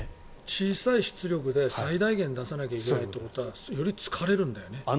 小さい出力で最大限出さなきゃいけないということはより疲れるんだよね。